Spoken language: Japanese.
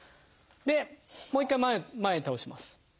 でもう一回前へ倒します。